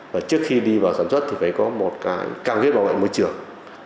và trước khi đi vào sản xuất thì phải có một cái cam kết bảo vệ môi trường